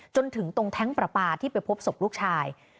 จนถึงตรงแท้งประปาที่ไปพบศพลูกชาย